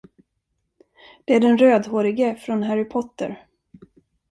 Det är den rödhårige från Harry Potter.